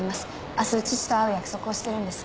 明日父と会う約束をしてるんです。